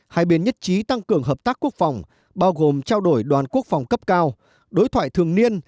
hai bên nhất trí tăng cường hợp tác quốc phòng bao gồm trao đổi đoàn quốc phòng cấp cao đối thoại thường niên